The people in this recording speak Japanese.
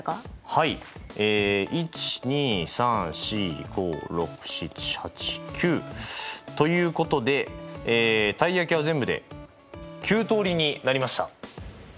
はいえ１２３４５６７８９。ということでたい焼きは全部で９通りになりました。